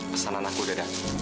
pesanan aku udah ada